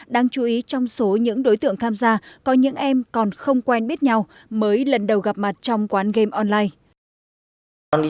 đáng chú ý trong số những đối tượng tham gia có những em còn không quen biết nhau mới lần đầu gặp mặt trong quán game online